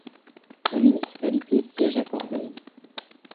La municipalité siège à Corbeil.